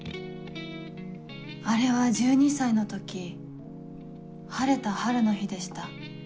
あれは１２歳の時晴れた春の日でした。